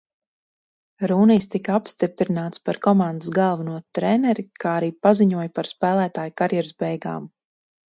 Rūnijs tika apstiprināts par komandas galveno treneri, kā arī paziņoja par spēlētāja karjeras beigām.